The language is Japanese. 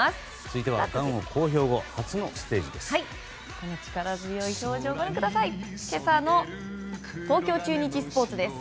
続いてはがんを公表後力強いステージです。